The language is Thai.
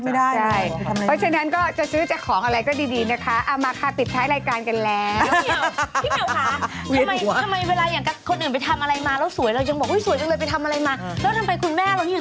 แล้วทำไมคุณแม่ล้วนอยู่ตรงนี้ทำมาตั้งเยอะแล้ว